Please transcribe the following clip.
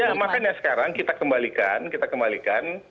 ya makanya sekarang kita kembalikan kita kembalikan